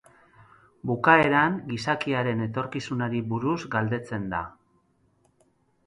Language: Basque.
Bukaeran gizakiaren etorkizunari buruz galdetzen da.